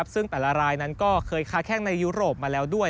ซึ่งแต่ละรายนั้นก็เคยค้าแข้งในยุโรปมาแล้วด้วย